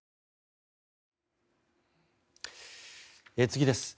次です。